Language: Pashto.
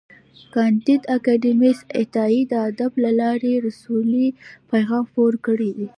کانديد اکاډميسن عطايي د ادب له لارې د سولې پیغام خپور کړی دی.